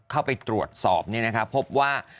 เข้าไปตรวจสอบนี้นะคะพบว่า